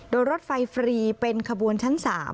โดยรถไฟฟรีเป็นขบวนชั้น๓